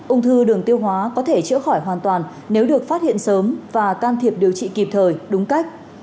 ung thư đường tiêu hóa có thể chữa khỏi hoàn toàn nếu được phát hiện sớm và can thiệp điều trị kịp thời đúng cách